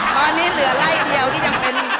ตอนนี้เหลือไล่เดียวที่ยังเป็น